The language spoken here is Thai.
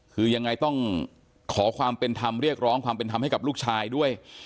คือยังไงต้องขอความเป็นธรรมเรียกร้องความเป็นธรรมให้กับลูกชายด้วย